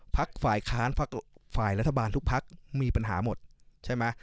ภักดิ์ฝ่ายค้านภักดิ์ฝ่ายรัฐบาลทุกภักดิ์มีปัญหาหมดใช่ไหม